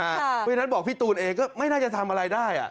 เพราะฉะนั้นบอกพี่ตูนเองก็ไม่น่าจะทำอะไรได้